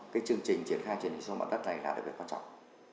cái chương trình triển khai truyền hình số mạng đất này là đặc biệt quan trọng